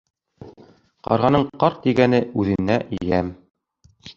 Ҡарғаның «ҡарҡ» тигәне үҙенә йәм.